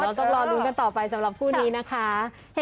เดี๋ยวเราต้องรู้กันต่อไปสำหรับผู้นี้นะคะ